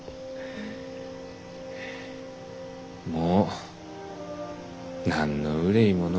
もう何の憂いもの